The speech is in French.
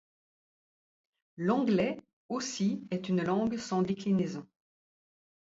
L’anglais aussi est une langue sans déclinaison.